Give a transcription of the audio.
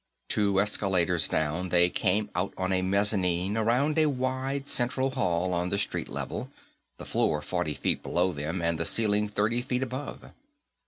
Two escalators down, they came out on a mezzanine around a wide central hall on the street level, the floor forty feet below them and the ceiling thirty feet above.